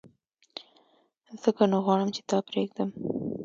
ځکه نو غواړم چي تا پرېږدم !